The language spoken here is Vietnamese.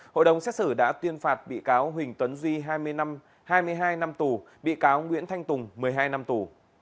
hội đồng xét xử đã tuyên phạt bị cáo huỳnh tuấn duy hai mươi hai năm tù bị cáo nguyễn thanh tùng một mươi hai năm tù